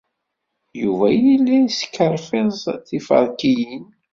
Yuba yella yeskerfiẓ tiferkiyin.